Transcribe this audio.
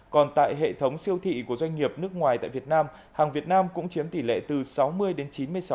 còn tại hệ thống siêu thị của doanh nghiệp nước ngoài tại việt nam hàng việt nam cũng chiếm tỷ lệ từ sáu mươi đến chín mươi sáu